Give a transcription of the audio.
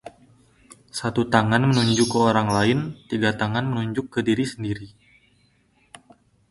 Satu tangan menunjuk ke orang lain, tiga tangan menunjuk ke diri sendiri